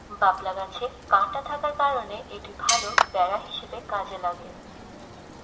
বাবলা গাছে কাঁটা থাকার কারণে এটি ভালো বেড়া হিসেবে কাজে লাগে।